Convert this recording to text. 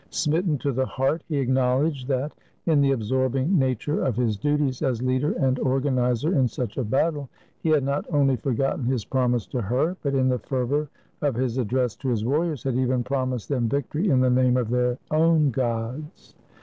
Smitten to the heart, he acknowledged that, in the absorbing nature of his duties as leader and organizer in such a battle, he had not only forgotten his promise to her, but in the fervor of his address to his warriors had even promised them victory in the name of their own gods.